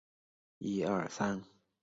原城内主要建筑有县署等。